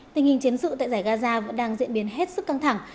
tình hình chiến sự tại giải gaza vẫn đang diễn biến hết sức căng thẳng